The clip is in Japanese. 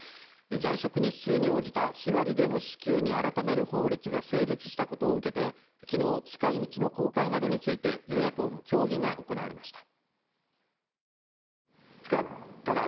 在職日数に応じた日割りでの支給に改める法律が成立したことを受けて昨日、使い道の公開などについて与野党の協議が行われました。